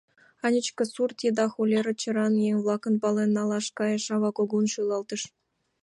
— Анечка сурт еда холера черан еҥ-влакым пален налаш кайыш, — ава кугун шӱлалтыш.